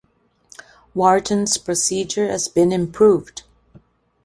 Wharton's procedure has been improved.